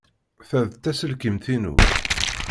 Ta d taselkimt-inu.